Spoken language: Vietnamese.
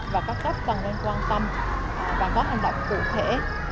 và các cấp cần phải quan tâm và có hành động cụ thể